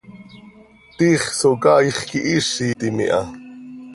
Tiix Socaaix quihiizitim iha.